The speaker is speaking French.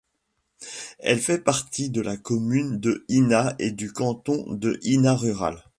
Elle fait partie de la commune de Hina et du canton de Hina rural.